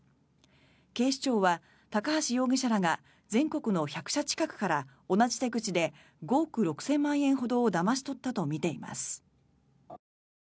警視庁は、高橋容疑者らが全国の１００社近くから同じ手口で５億６０００万円ほどをだまし取ったとみています。